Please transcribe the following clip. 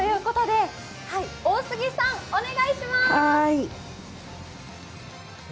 大杉さん、お願いします。